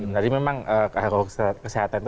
jadi memang kalau kesehatan itu